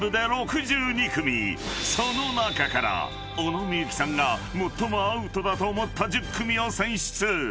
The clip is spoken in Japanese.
［その中から小野みゆきさんが最もアウトだと思った１０組を選出］